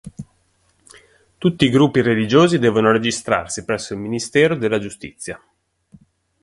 Tutti i gruppi religiosi devono registrarsi presso il Ministero della giustizia.